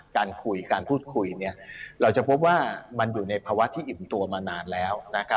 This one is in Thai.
การคุยการพูดคุยเราจะพบว่ามันอยู่ในภาวะที่อิ่มตัวมานานแล้ว